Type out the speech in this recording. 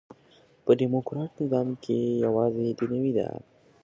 په ډيموکراټ نظام کښي یوازي دنیوي ده.